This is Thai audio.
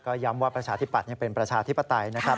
ก็ย้ำว่าประชาธิปัตย์เป็นประชาธิปไตยนะครับ